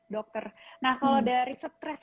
dokter nah kalau dari stres